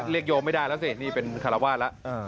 เลี่ยนโยมไม่ได้แล้วสินี่เป็นฆลาวาทละ